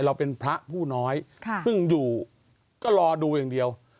เราเป็นพระผู้น้อยซึ่งอยู่ก็รอดูอย่างเดียว